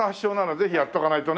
ぜひやっとかないとね。